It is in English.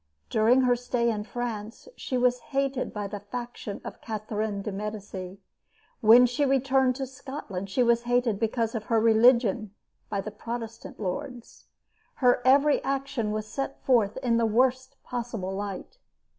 During her stay in France she was hated by the faction of Catherine de' Medici. When she returned to Scotland she was hated because of her religion by the Protestant lords. Her every action was set forth in the worst possible light.